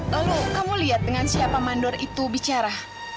lalu kamu lihat dengan siapa mandor itu bicara